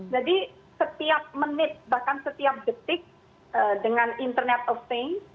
jadi setiap menit bahkan setiap detik dengan internet of things